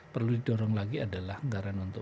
perlu didorong lagi adalah anggaran untuk